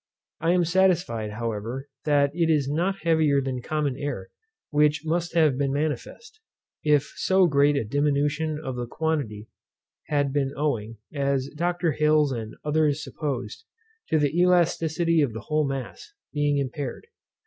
I am satisfied, however, that it is not heavier than common air, which must have been manifest, if so great a diminution of the quantity had been owing, as Dr. Hales and others supposed, to the elasticity of the whole mass being impaired.